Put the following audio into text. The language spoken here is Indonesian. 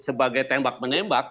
sebagai tembak menembak